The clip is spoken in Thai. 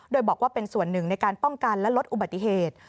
โดยบอกว่าเป็นส่วนหนึ่งในการป้องกันและลดอุบัติเหตุ